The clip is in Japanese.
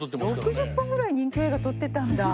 ６０本ぐらい任侠映画撮ってたんだ。